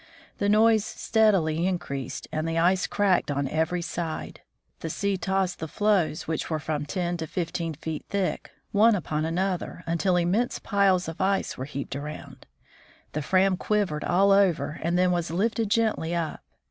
The noise steadily in creased, and the ice cracked on every side. The sea tossed the floes, which were from ten to fifteen feet thick, one upon another, until immense piles of ice were heaped around. The Fram quivered all over and then was lifted gently up.